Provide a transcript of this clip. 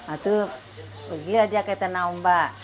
itu pergi aja ke tanah ombak